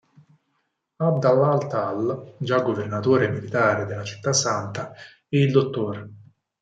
ʿAbd Allah al-Tall, già Governatore militare della Città Santa, e il dott.